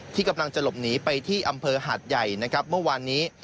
ที่กำลังจะหลบหนีไปที่อำเภอหาดใหญ่นะครับเมื่อวานนี้